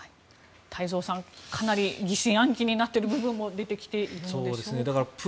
太蔵さん、かなり疑心暗鬼になっている部分も出てきているみたいですね。